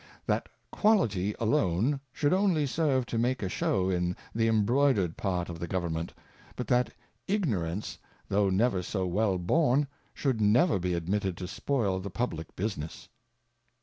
That Quality alone should only serve to make a shew in the Embroidered Part of the Government ; but that Ignorance, though never so well born, should never be admitted to spoil the Publick Business.